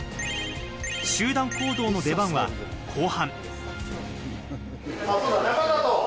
集団行動の出番は後半。